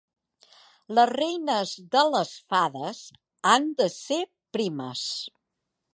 Les reines de les fades han de ser primes.